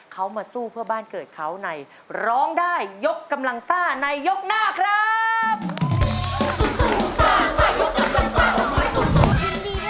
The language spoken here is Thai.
เขามาสู้เพื่อบ้านเกิดเขาในร้องได้ยกกำลังซ่าในยกหน้าครับ